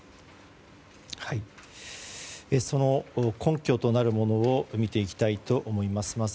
その根拠となるものを見ていきたいと思います。